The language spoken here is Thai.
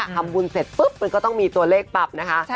ทำบุญเสร็จปุ๊บมันก็ต้องมีตัวเลขปรับนะคะ